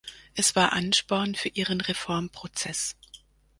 Es war Ansporn für ihren Reformprozess.